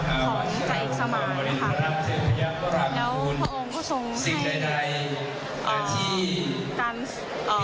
การสนใจแล้วก็ใส่ใจก็คือไม่ตื่นตันใจมาก